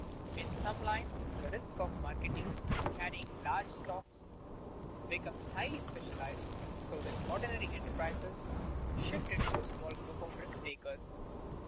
_In some lines the risk of marketing and carrying large stocks becomes highly specialized, so that ordinary enterprisers shift it to a small group of risk takers.